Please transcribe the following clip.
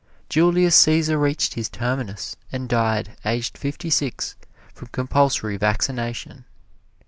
Julius Cæsar reached his terminus and died, aged fifty six, from compulsory vaccination.